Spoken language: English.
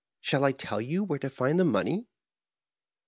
Shall I tell you where to find the money